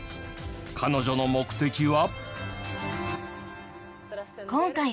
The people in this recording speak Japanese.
彼女の目的は。